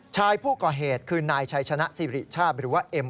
ชายผู้ก่อเหตุคือนายชัยชนะสิริชาติหรือว่าเอ็ม